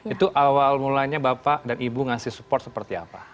itu awal mulanya bapak dan ibu ngasih support seperti apa